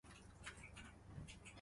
今天天气不错